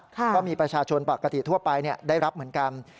ก็มีประชาชนปกติทั่วไปได้รับเหมือนกัน